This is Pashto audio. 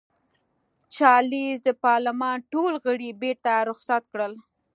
چارلېز د پارلمان ټول غړي بېرته رخصت کړل.